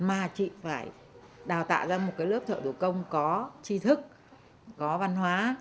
mà chị phải đào tạo ra một cái lớp thợ thủ công có tri thức có văn hóa